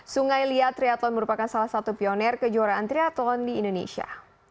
sungai liat triathlon merupakan salah satu pioner kejuaraan triathlon di indonesia